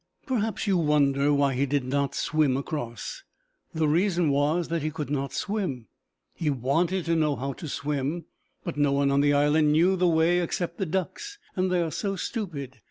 Perhaps you wonder why he did not swim across. The reason was that he could not swim. He wanted to know how to swim, but no one on the island knew the way except the ducks, and they are so stupid.